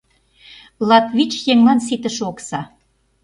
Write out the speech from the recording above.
Латвич еҥлан ситыше окса...